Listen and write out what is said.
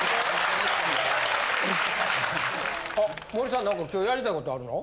あっ森さん何か今日やりたい事あんの？